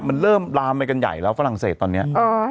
มันเริ่มลามไปกันใหญ่แล้วฝรั่งเศสตอนนี้